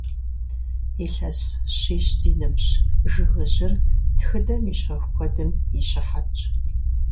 Илъэс щищ зи ныбжь жыгыжьыр тхыдэм и щэху куэдым и щыхьэтщ.